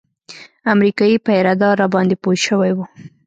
امريکايي پيره دار راباندې پوه سوى و.